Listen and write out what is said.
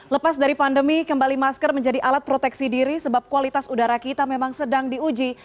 lepas dari pandemi kembali masker menjadi alat proteksi diri sebab kualitas udara kita memang sedang diuji